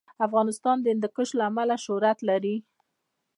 افغانستان د هندوکش له امله شهرت لري.